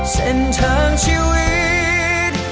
เส้นทางชีวิต